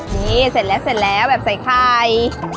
นี่เสร็จแล้วเสร็จแล้วแบบใส่ไข่